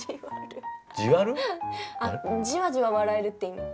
じわじわ笑えるって意味。